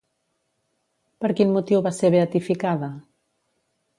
Per quin motiu va ser beatificada?